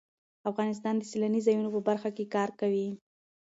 افغانستان د سیلاني ځایونو په برخه کې کار کوي.